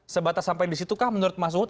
sebatas sampai di situ kah menurut mas luhut